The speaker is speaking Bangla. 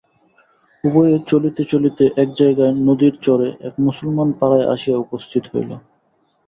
উভয়ে চলিতে চলিতে এক জায়গায় নদীর চরে এক মুসলমান-পাড়ায় আসিয়া উপস্থিত হইল।